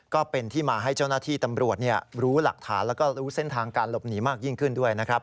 ก็เป็นที่มาให้เจ้าหน้าที่ตำรวจรู้หลักฐานแล้วก็รู้เส้นทางการหลบหนีมากยิ่งขึ้นด้วยนะครับ